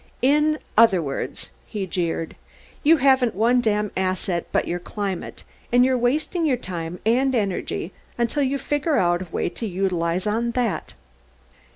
In other words," he jeered, "you haven't one damned asset but your climate, and you're wasting your time and energy until you figure out a way to realize on that."